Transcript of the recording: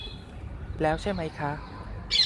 แล้วใช่ไหมคะ